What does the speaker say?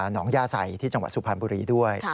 น้องย่าใส่ที่จังหวัดสุพรรณบุรีด้วย